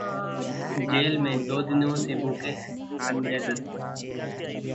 jail में दो दिनों से भूखे हैं संजय दत्त